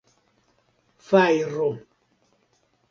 fajro